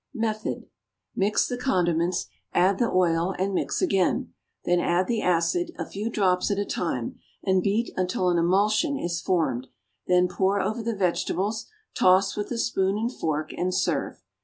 Method. Mix the condiments, add the oil and mix again; then add the acid, a few drops at a time, and beat until an emulsion is formed; then pour over the vegetables, toss with the spoon and fork, and serve.